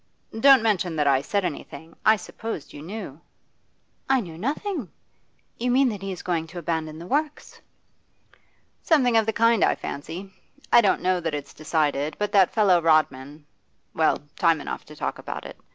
Don't mention that I said anything; I supposed you knew.' 'I knew nothing. You mean that he is going to abandon the works?' 'Something of the kind, I fancy. I don't know that it's decided, but that fellow Rodman well, time enough to talk about it.